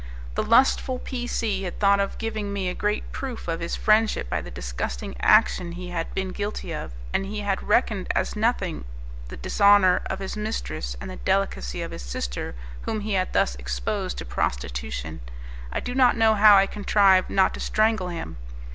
The lustful P C had thought of giving me a great proof of his friendship by the disgusting action he had been guilty of, and he had reckoned as nothing the dishonour of his mistress, and the delicacy of his sister whom he had thus exposed to prostitution. I do not know how I contrived not to strangle him.